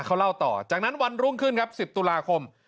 เขาเล่าต่อจากนั้นวันรุ่งขึ้นครับ๑๐ตุลาคม